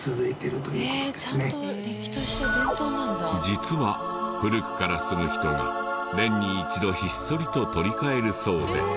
実は古くから住む人が年に一度ひっそりと取り換えるそうで。